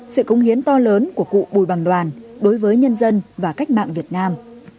sự công hiến to lớn của cụ bùi bằng đoàn đối với nhân dân và cách mạng việt nam